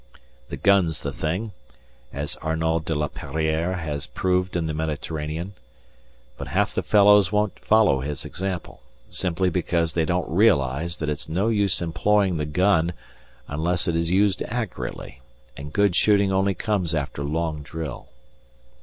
The gun's the thing, as Arnauld de la Perrière has proved in the Mediterranean; but half the fellows won't follow his example, simply because they don't realize that it's no use employing the gun unless it is used accurately, and good shooting only comes after long drill.